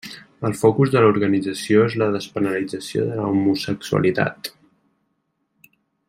El focus de l'organització és la despenalització de l'homosexualitat.